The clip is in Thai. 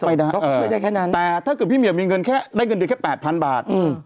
ไม่นะแต่ถ้าคือพี่เหมียวมีเงินแค่๘๐๐๐บาท